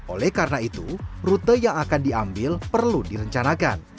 oleh karena itu rute yang akan diambil perlu direncanakan